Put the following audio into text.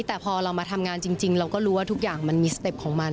แต่พอเรามาทำงานจริงเราก็รู้ว่าทุกอย่างมันมีสเต็ปของมัน